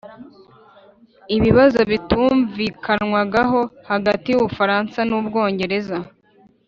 ibibazo bitumvikanwagaho hagati y’ubufaransa n’ubwongereza,